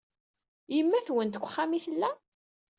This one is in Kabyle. Yemma-twent deg uxxam ay tella?